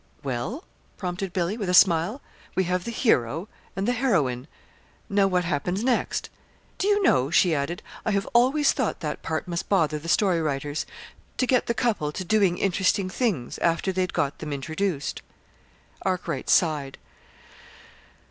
"Well?" prompted Billy, with a smile. "We have the hero and the heroine; now what happens next? Do you know," she added, "I have always thought that part must bother the story writers to get the couple to doing interesting things, after they'd got them introduced." Arkwright sighed.